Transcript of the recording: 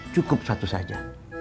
cukup satu saja